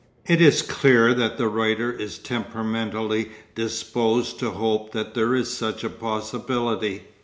It is clear that the writer is temperamentally disposed to hope that there is such a possibility.